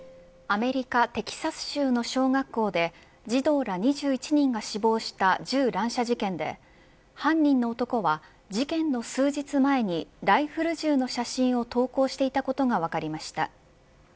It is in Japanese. アメリカテキサス州の小学校で児童ら２１人が死亡した銃乱射事件で犯人の男は、事件の数日前にライフル銃の写真を投稿していたことが分かりました。